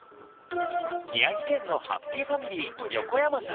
宮城県のハッピーファミリー横山さん。